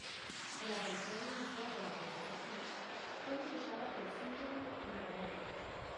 En la aparición inicial de la Princesa Peach, fue dibujada por Shigeru Miyamoto.